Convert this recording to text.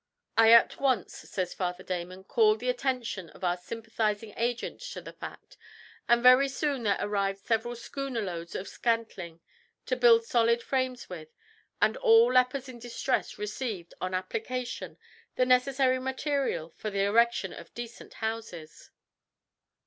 "I at once," says Father Damien, "called the attention of our sympathising agent to the fact, and very soon there arrived several schooner loads of scantling to build solid frames with, and all lepers in distress received, on application, the necessary material for the erection of decent houses."